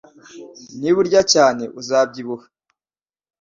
Niba urya cyane, uzabyibuha